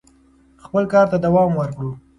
خپل کار ته دوام ورکړو.